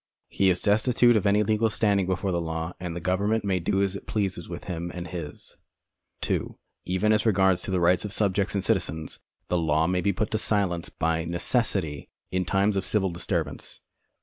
He is destitute of any legal standing before the law, and the government may do as it pleases with him and his. (2) Even as regards the rights of subjects and (iitizens, the law may bo put to silence by necessitij in times of civil disturbance.